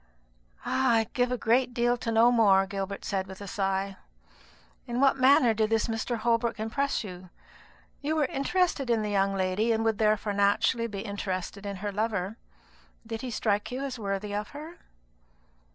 "I would give a great deal to know more," Gilbert said with a sigh. "In what manner did this Mr. Holbrook impress you? You were interested in the young lady, and would therefore naturally be interested in her lover. Did he strike you as worthy of her?"